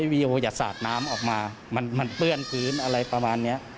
วีดีโออย่าสาดน้ำออกมามันเปื้อนพื้นอะไรประมาณนี้